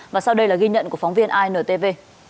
và sau đây là ghi nhận của phóng viên intv